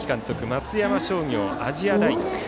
松山商業、亜細亜大学。